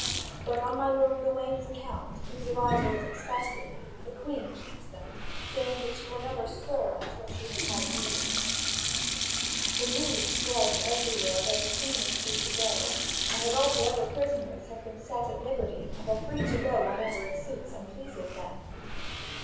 But on my lord Gawain's account, whose arrival is expected, the Queen keeps them, saying that she will never stir until she has news of him. (Vv. 4125 4262.) The news spreads everywhere that the Queen is free to go, and that all the other prisoners have been set at liberty and are free to go whenever it suits and pleases them.